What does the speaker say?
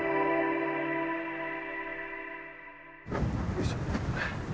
よいしょ。